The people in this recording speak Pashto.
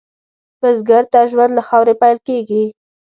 بزګر ته ژوند له خاورې پېل کېږي